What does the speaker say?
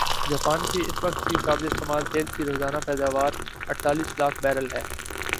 Japan کی اس وقت کی قابل استعمال تیل کی روزانہ پیداواراڑتالیس لاکھ بیرل ھے